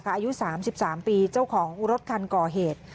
อายุ๓๓ปีเจ้าของรถคันก่อเหตุ